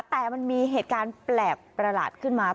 แต่มันมีเหตุการณ์แปลกประหลาดขึ้นมา